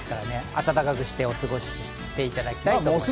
温かくしてお過ごししていただきたいと思います。